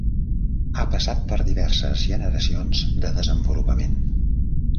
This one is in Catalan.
Ha passat per diverses generacions de desenvolupament.